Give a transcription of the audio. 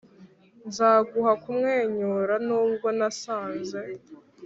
nzaguha kumwenyura nubwo nasaze.